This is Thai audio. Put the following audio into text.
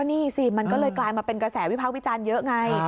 นี่สิก็กลายเป็นกระแสวิพราควิจันทร์เยอะไง